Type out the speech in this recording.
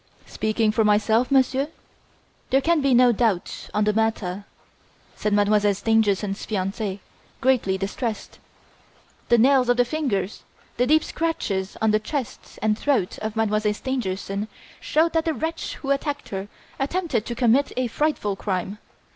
"Speaking for myself, Monsieur, there can be no doubt on the matter," said Mademoiselle Stangerson's fiance, greatly distressed. "The nails of the fingers, the deep scratches on the chest and throat of Mademoiselle Stangerson show that the wretch who attacked her attempted to commit a frightful crime.